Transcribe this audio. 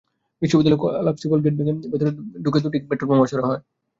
বিদ্যালয়ের collapsible gate ভেঙে ভেতরে ঢুকে দুটি কক্ষে পেট্রলবোমা ছোড়া হয়।